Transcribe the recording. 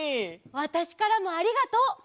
わたしからもありがとう。